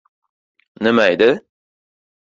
— Nimaydi?